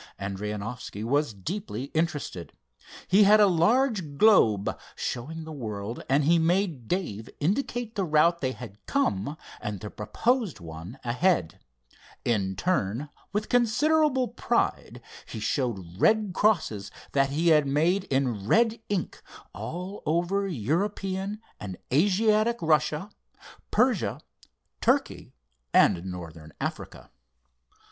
Adrianoffski was deeply interested. He had a large globe showing the world, and he made Dave indicate the route they had come, and the proposed one ahead. In turn, with considerable pride he showed red crosses he had made in red ink all over European and Asiatic Russia, Persia, Turkey and Northern Africa.